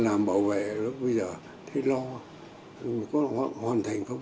làm bảo vệ lúc bây giờ thì lo có hoàn thành không